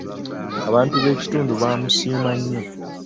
Abantu b'ekitundu baamusiima nnyo.